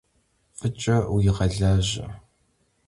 F'ıç'e vuğelaje!